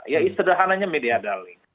ya istirahatannya media darling